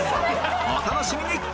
お楽しみに！